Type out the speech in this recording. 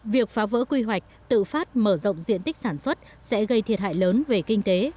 việc phá vỡ quy hoạch tự phát mở rộng diện tích sản xuất sẽ gây thiệt hại lớn về kinh tế